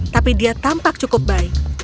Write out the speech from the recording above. tapi dia tampak cukup baik